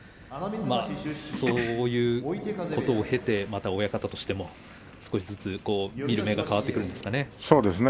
そういうことを経て親方としても少しずつ見る目が変わってくるんでしょう